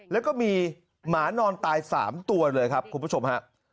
แล้วก็มีหมานอนตาย๓ตัวเลยครับคุณผู้ชมฮะ